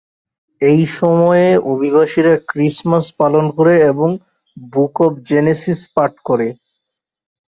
এই সময়ে অভিযাত্রীরা ক্রিসমাস পালন করে এবং বুক অফ জেনেসিস পাঠ করে।